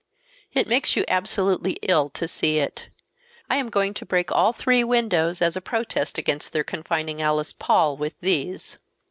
It makes you absolutely ill to see it. I am going to break all three windows as a protest against their confining Alice Paul with these!